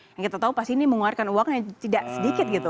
yang kita tahu pasti ini mengeluarkan uang yang tidak sedikit gitu